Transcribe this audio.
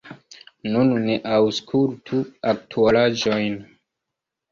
Nun ni aŭskultu aktualaĵojn.